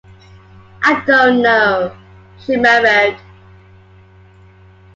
“I don’t know,” she murmured.